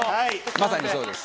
まさにそうです。